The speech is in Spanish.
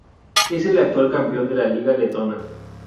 Es el actual campeón de la liga letona.